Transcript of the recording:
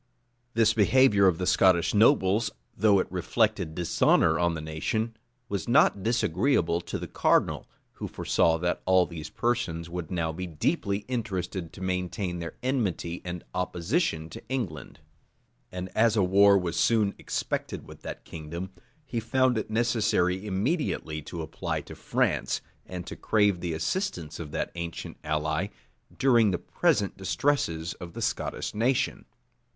[*]* Buchanan, lib. xv. This behavior of the Scottish nobles, though it reflected dishonor on the nation, was not disagreeable to the cardinal, who foresaw that all these persons would now be deeply interested to maintain their enmity and opposition to England. And as a war was soon expected with that kingdom, he found it necessary immediately to apply to France, and to crave the assistance of that ancient ally, during the present distresses of the Scottish nation.